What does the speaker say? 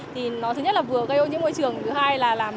thì nó thứ nhất là vừa gây ô nhiễm môi trường thứ hai là làm